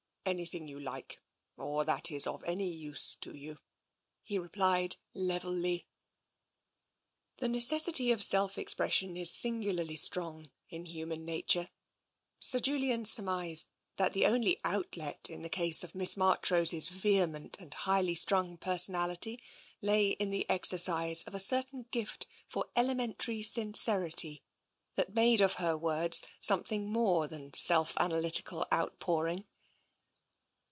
" Anything you like, or that is of any use to you," he replied levelly. The necessity of self expression is singularly strong in human nature. Sir Julian surmised that the only outlet in the case of Miss Marchrose's vehement and highly strung personality lay in the exercise of a certain gift for elementary sincerity that made of her words something more than self analytical outpouring.